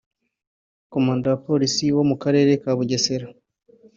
Komanda wa Polisi mu Karere ka Bugesera